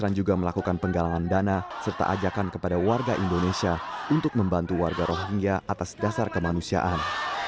dan juga melakukan penggalangan dana serta ajakan kepada warga indonesia untuk membantu warga rohingya atas dasar kemanusiaan